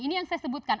ini yang saya sebutkan